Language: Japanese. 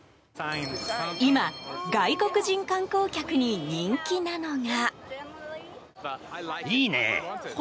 今、外国人観光客に人気なのが。